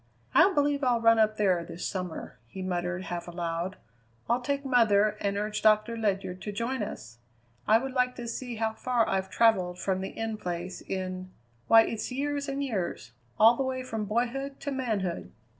"I believe I'll run up there this summer," he muttered half aloud. "I'll take mother and urge Doctor Ledyard to join us. I would like to see how far I've travelled from the In Place in why it's years and years! All the way from boyhood to manhood."